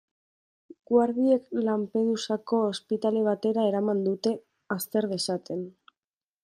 Guardiek Lampedusako ospitale batera eraman dute, azter dezaten.